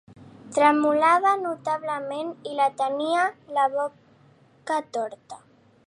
Tremolava notablement, i la tenia la boca torta.